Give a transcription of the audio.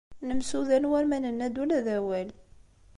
Nemsudan war ma nenna-d ula d awal.